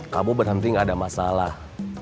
kamu berhenti gak ada masalah